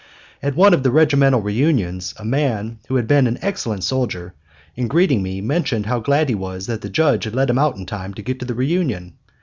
At one of the regimental reunions a man, who had been an excellent soldier, in greeting me mentioned how glad he was that the judge had let him out in time to get to the reunion.